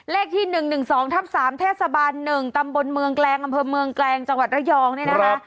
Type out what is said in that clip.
เลขที่๑๑๒ทับ๓เทศบาล๑ตำบลเมืองแกลงอำเภอเมืองแกลงจังหวัดระยองเนี่ยนะคะ